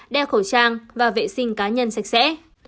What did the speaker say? đeo khẩu trang và vệ sinh cá nhân sạch sẽ